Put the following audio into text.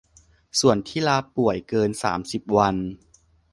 ส่วนที่ลาป่วยเกิน สามสิบ วัน